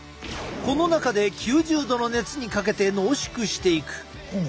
この中で９０度の熱にかけて濃縮していく。